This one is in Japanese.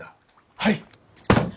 はい！